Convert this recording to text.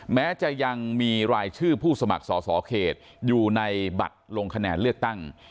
แม้จะยังมีรายชื่อผู้สมัครสอสอเขตอยู่ในบัตรลงคะแนนเลือกตั้ง